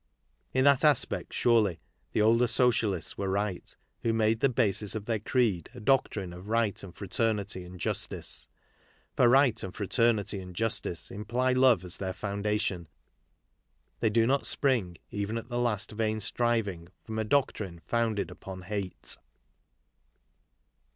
In that aspect, surely, the older socialists were right who made the basis of their creed a doctrine of right and fraternity and justice. For right and fraternity and justice imply love as their foundation; they do not spring, even at the last vain striving, from a doctrine founded upon hate.